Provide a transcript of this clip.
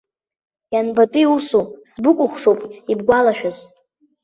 Ианбатәи усу, сбыкәыхшоуп, ибгәалашәаз!